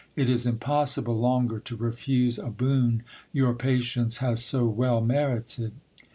It is impossible longer to refuse a boon your patience has so well merited."